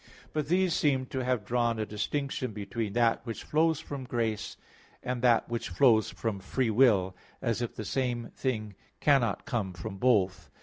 But these seem to have drawn a distinction between that which flows from grace, and that which flows from free will, as if the same thing cannot come from both.